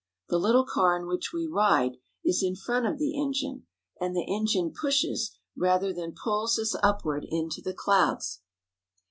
The little car in which we ride is in front of the engine, and the engine pushes rather than pulls us upward into the clouds.